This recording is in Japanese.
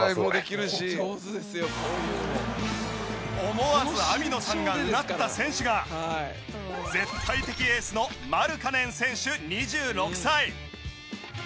思わず網野さんがうなった選手が絶対的エースのマルカネン選手２６歳。